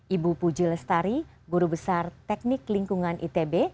ibu puji lestari guru besar teknik lingkungan itb